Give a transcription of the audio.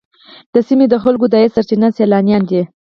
د سیمې د خلکو د عاید سرچینه سیلانیان دي.